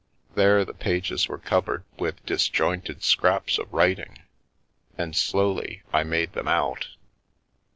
There the pages were covered with disjointed scraps of writing, and slowly I made them out.